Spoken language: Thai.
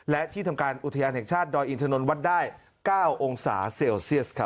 และที่ทำการอุทยานแห่งชาติดอยอินทนนทวัดได้๙องศาเซลเซียส